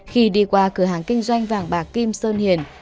khi đi qua cửa hàng kinh doanh vàng bạc kim sơn hiền